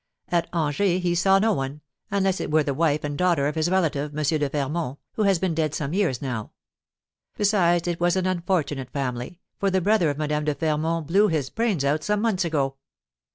At Angers he saw no one, unless it were the wife and daughter of his relative, M. de Fermont, who has been dead some years now. Besides, it was an unfortunate family, for the brother of Madame de Fermont blew his brains out some months ago."